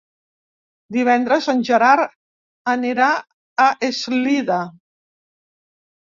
Divendres en Gerard anirà a Eslida.